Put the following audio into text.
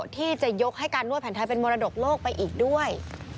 ที่จะยกให้การนวดแผนไทยเป็นมรดกโลกไปอีกด้วย